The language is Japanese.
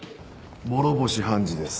諸星判事です。